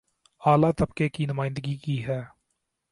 اعلی طبقے کی نمائندگی کی ہے